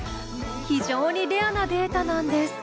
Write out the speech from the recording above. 非常にレアなデータなんです。